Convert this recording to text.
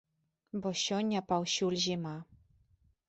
Бо сёння паўсюль зіма.